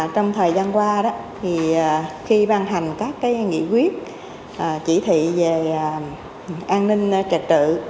trong thời gian qua khi bàn hành các nghị quyết chỉ thị về an ninh trạch trự